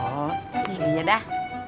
oh ini ya dah